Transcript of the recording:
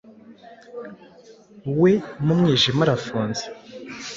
We mu mwijima arafunze,